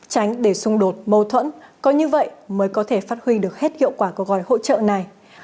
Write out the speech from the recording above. tránh để xung đột mâu thuẫn có như vậy mới có thể phát huy được hết hiệu quả của gói hỗ trợ này